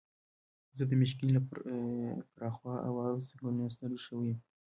زه د میشیګن له پراخو اوارو ځنګلونو ستړی شوی یم.